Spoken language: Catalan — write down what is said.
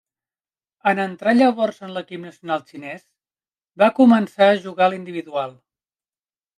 En entrar llavors en l'equip nacional xinès, va començar a jugar l'individual.